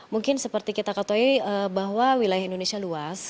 mungkin seperti kita katakan bahwa wilayah indonesia luas